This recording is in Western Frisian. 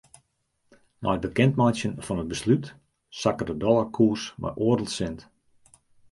Nei it bekendmeitsjen fan it beslút sakke de dollarkoers mei oardel sint.